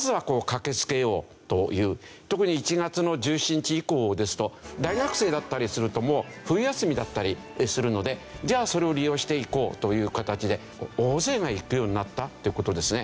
特に１月の１７日以降ですと大学生だったりするともう冬休みだったりするのでじゃあそれを利用して行こうという形で大勢が行くようになったっていう事ですね。